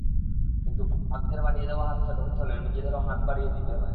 কিন্তু ভাগ্যের বাড়িয়ে দেওয়া হাতটা ধরতে হলে নিজেদেরও হাত বাড়িয়ে দিতে হয়।